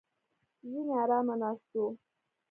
ځینې ارامه ناست وو.